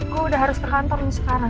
gue udah harus ke kantor nih sekarang